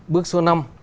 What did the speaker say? bức số năm